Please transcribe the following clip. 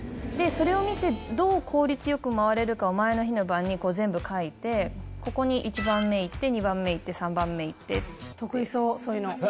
それを見て、どう効率よく回れるかを前の日の晩に全部書いて、ここに１番目行って、２番目行っ得意そう、そういうの。